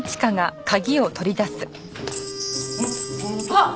あっ！